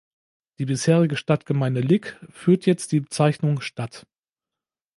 Die bisherige Stadtgemeinde Lyck führte jetzt die Bezeichnung "Stadt".